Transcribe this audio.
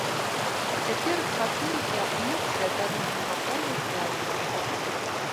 Цяпер хатыль і амуніцыя да нуднага болю гнялі яго.